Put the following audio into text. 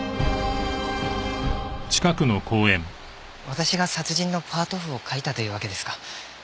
私が殺人のパート譜を書いたというわけですか。